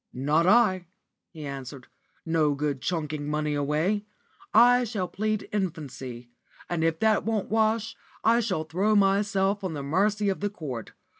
"Not I," he answered. "No good chucking money away. I shall plead infancy, and if that won't wash, I shall throw myself on the mercy of the Court.